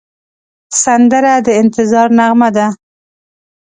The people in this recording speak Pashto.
سندره د انتظار نغمه ده